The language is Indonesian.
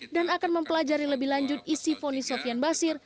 dan akan mempelajari lebih lanjut isi poni sofian basir